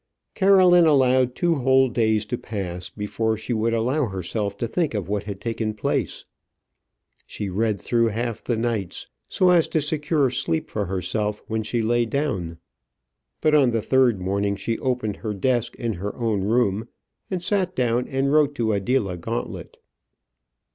Caroline allowed two whole days to pass before she would allow herself to think of what had taken place. She read through half the nights, so as to secure sleep for herself when she lay down. But on the third morning she opened her desk in her own room, and sat down and wrote to Adela Gauntlet.